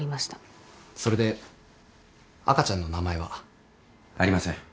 それで赤ちゃんの名前は？ありません。